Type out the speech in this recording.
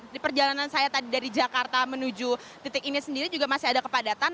di perjalanan saya tadi dari jakarta menuju titik ini sendiri juga masih ada kepadatan